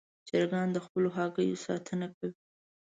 چرګان د خپلو هګیو ساتنه کوي.